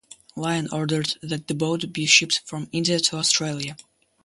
Lyon ordered that the boat be shipped from India to Australia.